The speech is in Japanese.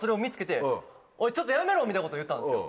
おいちょっとやめろ！みたいなこと言ったんですよ。